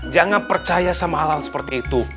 jangan percaya sama hal hal seperti itu